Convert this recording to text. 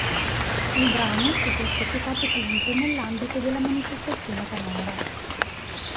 Il brano si è classificato quinto nell'ambito della manifestazione canora.